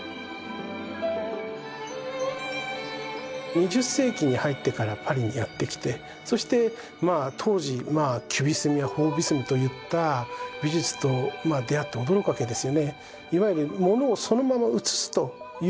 ２０世紀に入ってからパリにやって来てそして当時キュビスムやフォービスムといった美術と出会って驚くわけですよね。